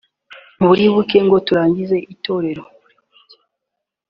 buri buke ngo turangize itorero